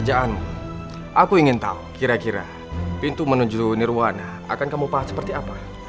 aku ingin tahu kira kira pintu menuju nirwana akan kamu paham seperti apa